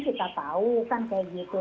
kita tahu kan kayak gitu